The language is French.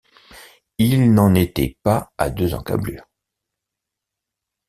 Il n’en était pas à deux encablures.